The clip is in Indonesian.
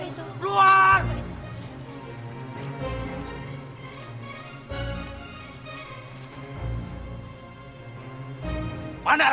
aku tahu kamu ada di dalam